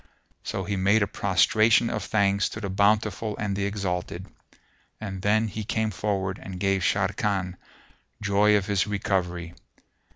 So he made a prostration of thanks to the Bountiful and the Exalted; and then he came forward and gave Sharrkan joy of his recovery.